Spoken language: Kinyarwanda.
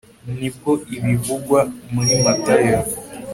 nibwo ibivugwa muri matayo